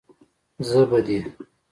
زه به دې.